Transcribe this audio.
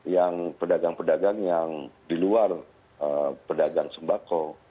yang pedagang pedagang yang di luar pedagang sembako